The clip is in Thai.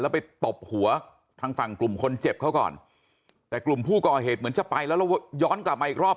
ไปตบหัวทางฝั่งกลุ่มคนเจ็บเขาก่อนแต่กลุ่มผู้ก่อเหตุเหมือนจะไปแล้วแล้วย้อนกลับมาอีกรอบ